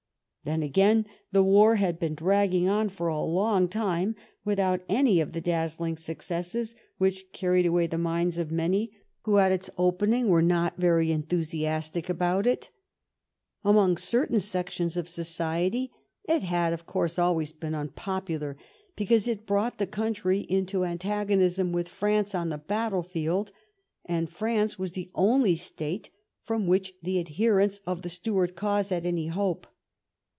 Then, again, the war had been dragging on for a long time without any of the dazzling successes which carried away the minds of many who at its opening were not very enthusiastic about it. Among certain sections of society it had, of course, always been un popular, because it brought; the country into antagon ism with France on the battle field, and France was the only state from which the adherents of the Stuart cause had any hope.